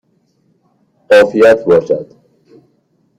عافیت باشد!